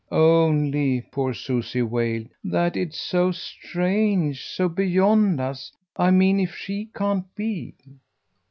"Only," poor Susie wailed, "that it's so strange, so beyond us. I mean if she can't be."